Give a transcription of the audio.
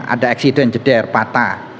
ada eksiden jeder patah